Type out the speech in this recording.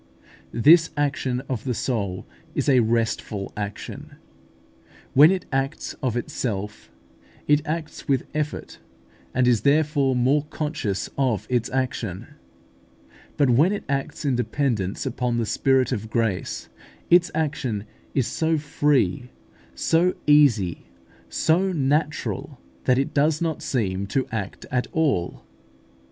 This action of the soul is a restful action. When it acts of itself, it acts with effort; and is therefore more conscious of its action. But when it acts in dependence upon the Spirit of grace, its action is so free, so easy, so natural, that it does not seem to act at all.